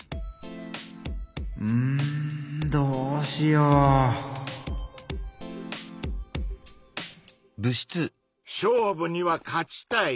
うんどうしよう⁉勝負には勝ちたい。